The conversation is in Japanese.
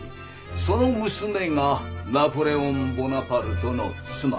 その娘がナポレオン・ボナパルトの妻。